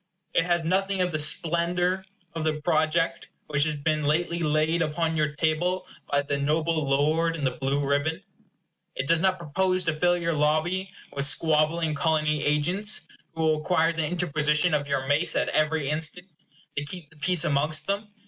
It has nothing of the splendor of the project which has been lately laid upon your table by the noble lord in the blue ribbon. It does not propose to fill your lobby with squabbling Colony agents, who will require the interposition of your mace, at every instant, to keep the peace amongst them.